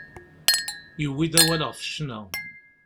Yewwi-d awal ɣef ccna.